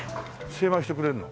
精米してくれるの？